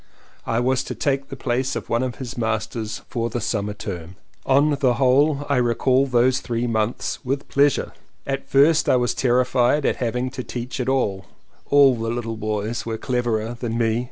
I was to take the place of one of his masters for the summer term. On the whole I recall those three months with pleasure. At first I was terrified at having to teach at all: all the little boys were cleverer than me.